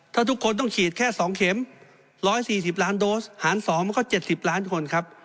ถ้าทุกคนต้องฉีดแค่๒เข็ม๑๔๐ล้านโดสหาร๒มันก็๗๐ล้านคนครับ